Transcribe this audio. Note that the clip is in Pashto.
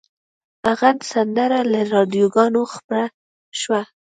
هغه سندره له راډیوګانو خپره شوه